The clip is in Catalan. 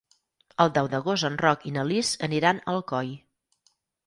El deu d'agost en Roc i na Lis aniran a Alcoi.